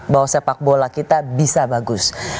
bahwa sepak bola kita bisa bagus